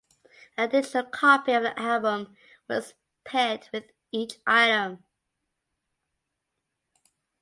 A digital copy of the album was paired with each item.